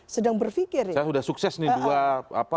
sedang berfikir ya udah sukses nih dua